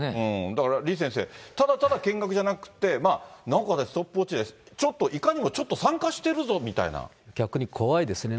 だから李先生、ただただ見学じゃなくて、なおかつストップウォッチで、ちょっといかにも、ちょっと参加し逆に怖いですね。